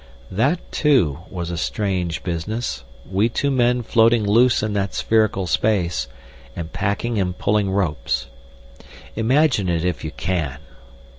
That too was a strange business; we two men floating loose in that spherical space, and packing and pulling ropes. Imagine it if you can!